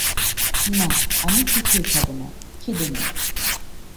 না, আমি কিছুই খাব না, খিদে নেই।